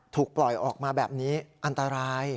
ถูกปล่อยออกมาแบบนี้อันตราย